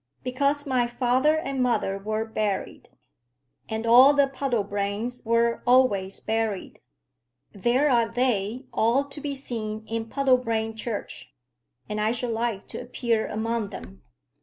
"Because my father and mother were buried. And all the Puddlebranes were always buried. There are they, all to be seen in Puddlebrane Church, and I should like to appear among them."